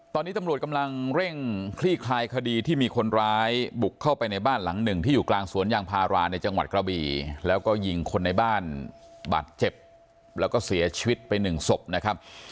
ตอนนี้ตำรวจกำลังเร่งคลี่คลายคดีที่มีคนร้ายบุกเข้าไปในบ้านหลังหนึ่งที่อยู่กลางสวนยางพาราในจังหวัดกระบีแล้วก็ยิงคนในบ้านบาดเจ็บแล้วก็เสียชีวิตไปหนึ่งศพนะครับ